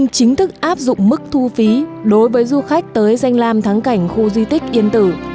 chính thức áp dụng mức thu phí đối với du khách tới danh lam thắng cảnh khu di tích yên tử